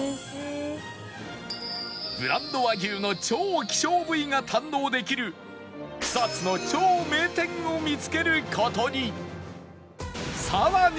ブランド和牛の超希少部位が堪能できる草津の超名店を見つける事に